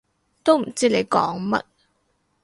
都唔知你講乜